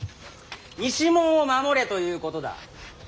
西門を守れということだ。